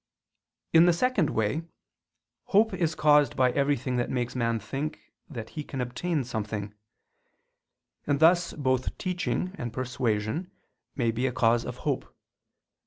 In the second way, hope is caused by everything that makes man think that he can obtain something: and thus both teaching and persuasion may be a cause of hope.